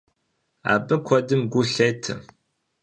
Абы куэдым гу лъетэ.